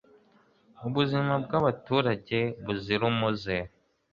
ubuzima bw'abaturage buzira umuze